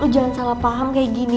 jangan salah paham kayak gini